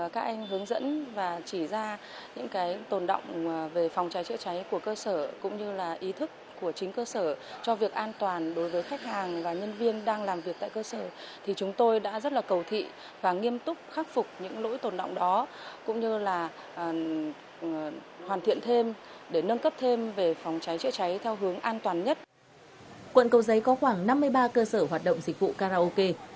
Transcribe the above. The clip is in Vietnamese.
quận cầu giấy có khoảng năm mươi ba cơ sở hoạt động dịch vụ karaoke